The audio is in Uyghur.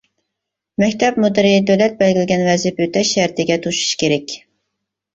مەكتەپ مۇدىرى دۆلەت بەلگىلىگەن ۋەزىپە ئۆتەش شەرتىگە توشۇشى كېرەك.